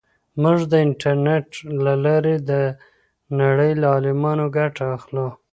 موږ د انټرنیټ له لارې د نړۍ له عالمانو ګټه اخلو.